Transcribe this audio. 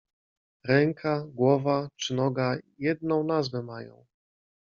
Ręka, głowa czy noga jedną nazwę mają